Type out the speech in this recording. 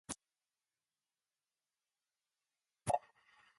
Nannup is situated at the junction of the Vasse Highway and the Brockman Highway.